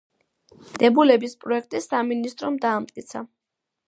დებულების პროექტი სამინისტრომ დაამტკიცა.